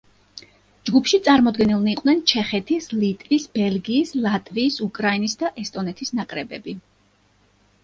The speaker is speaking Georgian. ჯგუფში წარმოდგენილნი იყვნენ ჩეხეთის, ლიტვის, ბელგიის, ლატვიის, უკრაინის და ესტონეთის ნაკრებები.